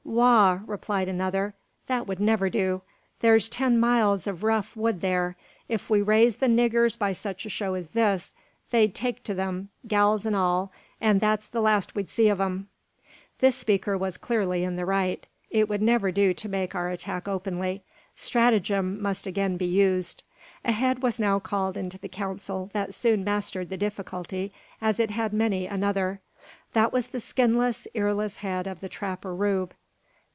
"Wagh!" replied another, "that would never do. Thar's ten miles o' rough wood thar. If we raised the niggurs by such a show as this, they'd take to them, gals and all, an' that's the last we'd see o' them." This speaker was clearly in the right. It would never do to make our attack openly. Stratagem must again be used. A head was now called into the council that soon mastered the difficulty, as it had many another. That was the skinless, earless head of the trapper Rube.